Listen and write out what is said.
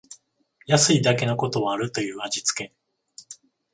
安いだけのことはあるという味つけ